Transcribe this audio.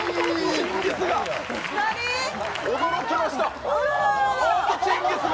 驚きました。